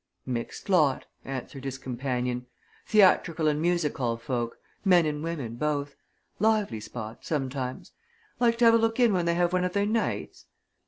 "Mixed lot!" answered his companion. "Theatrical and music hall folk men and women both. Lively spot sometimes. Like to have a look in when they have one of their nights?"